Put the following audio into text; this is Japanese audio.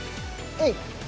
えい！